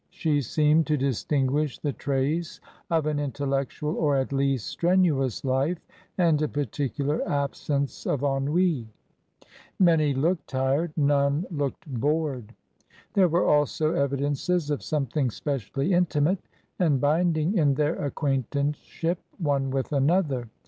She seemed to distinguish the trace of an intellectual or at least strenuous life, and a particular absence oi ennui; many looked tired, none looked bored. There were also evidences of something specially intimate and binding in their acquaintanceship one with another.